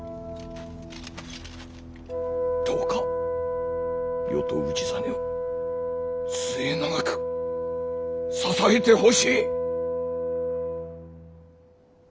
どうか余と氏真を末永く支えてほしい。